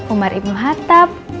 umar ibn hatab